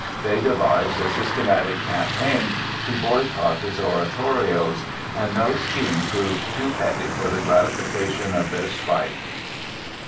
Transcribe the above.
They devised a systematic campaign to boycott his oratorios, and no scheme proved too petty for the gratification of their spite."